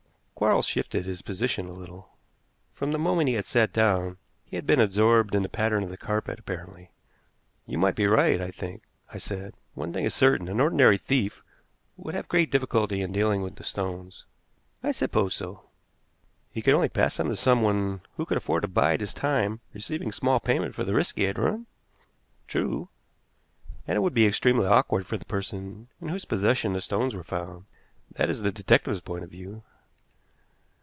Quarles shifted his position a little. From the moment he had sat down he had been absorbed in the pattern of the carpet, apparently. "You might be right, I think," I said. "One thing is certain, an ordinary thief would have great difficulty in dealing with the stones." "I suppose so." "He could only pass them to some one who could afford to bide his time, receiving small payment for the risk he had run?" "True." "And it would be extremely awkward for the person in whose possession the stones were found. That is the detective's point of view."